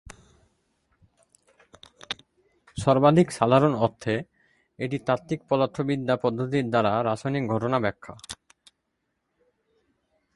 সর্বাধিক সাধারণ অর্থে, এটি তাত্ত্বিক পদার্থবিদ্যা পদ্ধতির দ্বারা রাসায়নিক ঘটনা ব্যাখ্যা।